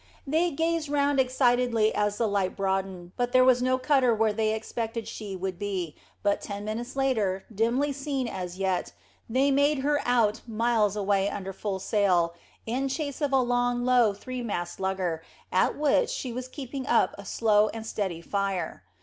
They gazed round excitedly as the light broadened, but there was no cutter where they expected she would be, but ten minutes later, dimly seen as yet, they made her out miles away under full sail, in chase of a long, low, three masted lugger, at which she was keeping up a slow and steady fire.